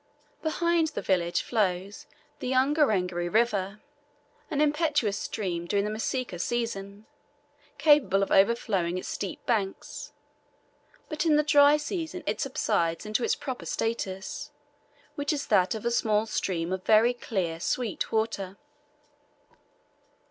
Behind the village flows the Ungerengeri River, an impetuous stream during the Masika season, capable of overflowing its steep banks, but in the dry season it subsides into its proper status, which is that of a small stream of very clear sweet water.